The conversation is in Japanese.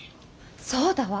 そうだわ。